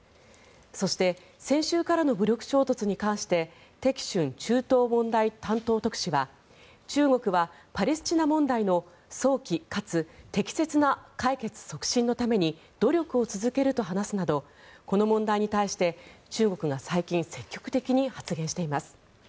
そして先週からの武力衝突に関してテキ・シュン中東問題担当特使は中国はパレスチナ問題の早期かつ適切な解決促進のために努力を続けると話すなどこの問題に対して中国が最近積極的に発言しています。